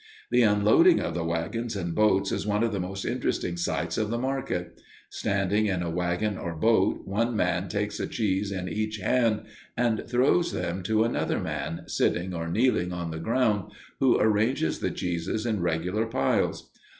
The unloading of the wagons and boats is one of the most interesting sights of the market. Standing in a wagon or boat, one man takes a cheese in each hand and throws them to another man, sitting or kneeling on the ground, who arranges the cheeses in regular piles.